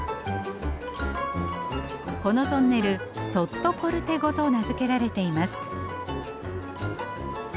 このトンネルソットポルテゴと名付けられています。